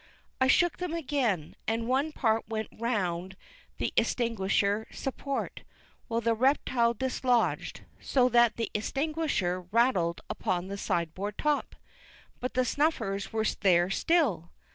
I shook them again, and one part went round the extinguisher support, which the reptile dislodged, so that the extinguisher rattled upon the sideboard top. But the snuffers were there still.